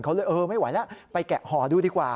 เขาเลยเออไม่ไหวแล้วไปแกะห่อดูดีกว่า